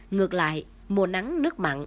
ngược lại mùa nắng nước mặn